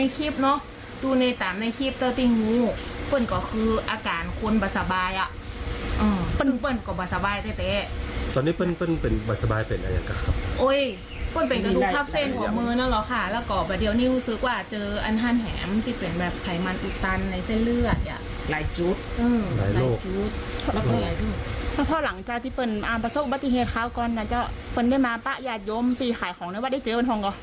ข่าวก่อนจะควรได้มาประหยัดยมไปขายของแล้วได้เจอของก่อน